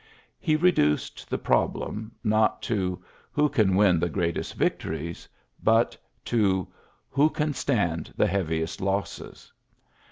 He reduced the problem^ not to "Who can win the greatest victoriesl" but to "Who can stand the heaviest losses!"